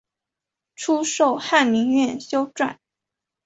初授翰林院修撰。